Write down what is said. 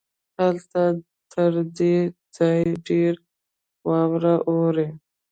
هلته تر دې ځای ډېره واوره اوري.